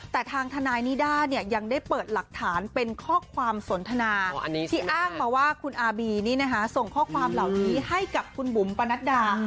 แต่ทางทนายนิด้าเนี่ยยังได้เปิดหลักฐานเป็นข้อความสนทนาที่อ้างมาว่าคุณอาบีนี่นะคะส่งข้อความเหล่านี้ให้กับคุณบุ๋มปนัดดา